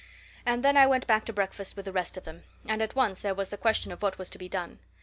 And then I went back to breakfast with the rest of them, and at once there was the question of what was to be done.